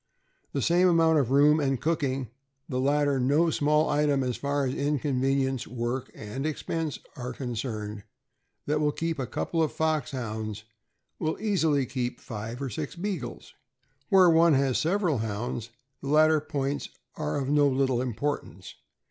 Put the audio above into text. The same amount of room and cooking — the latter no small item as far as inconvenience, work, and expense are con cerned— that will keep a couple of Foxhounds will easily keep five or six Beagles. Where one has several Hounds, the latter points are of no little importance.